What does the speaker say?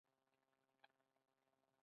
د بوټانو فابریکې فعالې دي؟